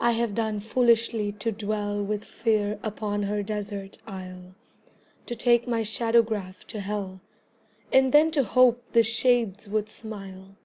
I have done foolishly to dwell With Fear upon her desert isle, To take my shadowgraph to Hell, And then to hope the shades would smile.